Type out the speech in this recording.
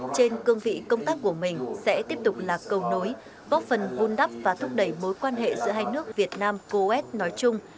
trên cương vị công tác của mình sẽ tiếp tục là cầu nối góp phần vun đắp và thúc đẩy mối quan hệ giữa hai nước việt nam coes nói chung